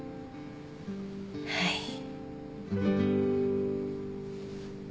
はい。